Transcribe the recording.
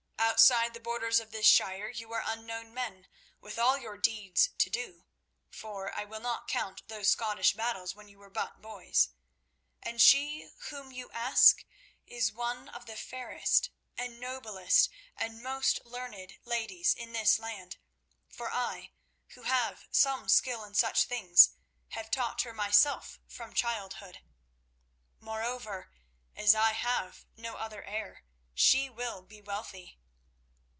Outside the borders of this shire you are unknown men, with all your deeds to do—for I will not count those Scottish battles when you were but boys. And she whom you ask is one of the fairest and noblest and most learned ladies in this land, for I, who have some skill in such things, have taught her myself from childhood. Moreover, as I have no other heir, she will be wealthy.